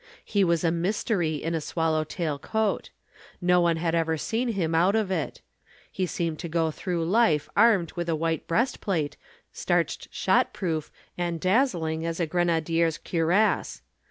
He was a mystery in a swallow tail coat. No one had ever seen him out of it. He seemed to go through life armed with a white breastplate, starched shot proof and dazzling as a grenadier's cuirass.